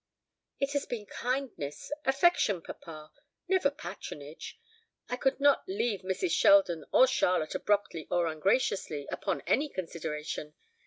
"It has been kindness, affection, papa never patronage. I could not leave Mrs. Sheldon or Charlotte abruptly or ungraciously, upon any consideration.